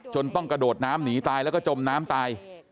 ต้องกระโดดน้ำหนีตายแล้วก็จมน้ำตาย